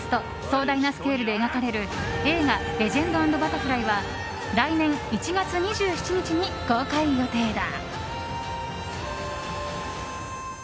壮大なスケールで描かれる映画「レジェンド＆バタフライ」は来年１月２７日に公開予定だ。